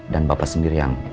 dan bapak sendiri yang